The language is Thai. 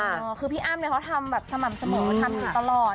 ครับคือพี่อ้ามเนี่ยเขาทำแบบสม่ำสมองทำอยู่ตลอดค่ะ